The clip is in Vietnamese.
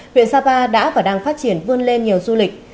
huyện sapa đã và đang phát triển vươn lên nhiều du lịch